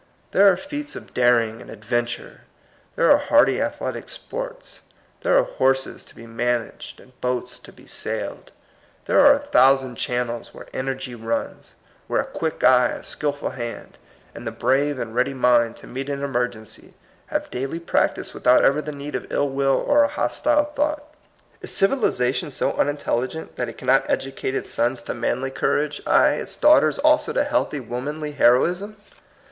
There are feats of daring and adventure, there are hardy athletic sports, there are horses to be managed and boats to be sailed, there are a thousand channels where energy runs, where a quick eye, a skilful hand, and the bmve and ready mind to meet an emergency, have daily practice with out ever the need of ill will or a hostile thought. Is civilization so unintelligent that it cannot educate its sons to manly 42 THE COMING PEOPLE. courage, ay, its daughters also to healthy womanly heroism?